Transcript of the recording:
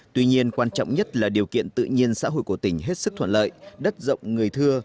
tuy nhiên quan trọng nhất là điều kiện tự nhiên xã hội của tỉnh hết sức thuận lợi đất rộng người thưa